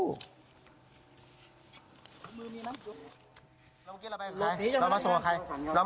เรามีน้ำซุป